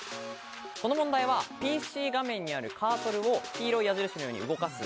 この問題はＰＣ画面にあるカーソルを黄色い矢印のように動かす。